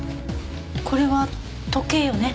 これは時計よね。